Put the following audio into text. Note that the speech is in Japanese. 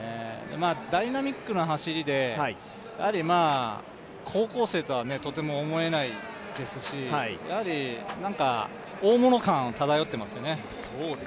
ダイナミックな走りで高校生とはとても思えないですしなんか大もの感が漂っていますよね。